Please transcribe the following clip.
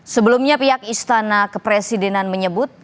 sebelumnya pihak istana kepresidenan menyebut